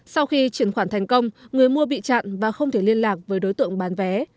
sau khi chuyển khoản thành công người mua bị chặn và không thể liên lạc với đối tượng bán vé